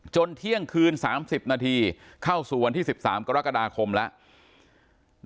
เที่ยงคืน๓๐นาทีเข้าสู่วันที่๑๓กรกฎาคมแล้ว